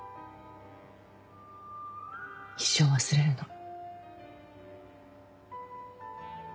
一生忘れるな。